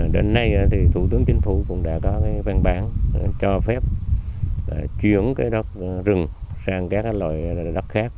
đến nay thì thủ tướng chính phủ cũng đã có cái văn bản cho phép chuyển cái đất rừng sang các loại đất khác